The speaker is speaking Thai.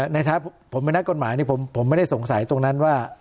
นะครับผมเป็นนักกฎหมายผมไม่ได้สงสัยตรงนั้นว่า